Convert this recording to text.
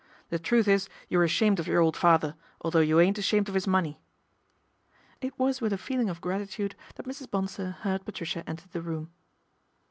The truth is you're ashamed of your old father, although you ain't ashamed of 'is money." It was with a feeling of gratitude that Mrs. Eonsor heard Patricia enter the room.